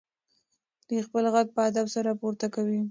دی خپل غږ په ادب سره پورته کوي.